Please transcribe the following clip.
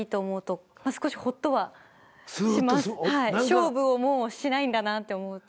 勝負をもうしないんだなと思うと。